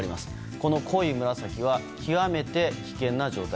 この濃い紫は極めて危険な状態。